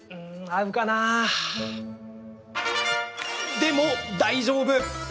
でも、大丈夫！